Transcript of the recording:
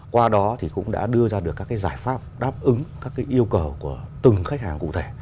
qua đó thì cũng đã đưa ra được các giải pháp đáp ứng các yêu cầu của từng khách hàng cụ thể